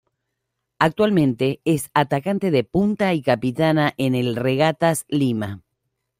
Actualmente es Atacante de Punta y capitana en el Regatas Lima.